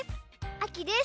あきです。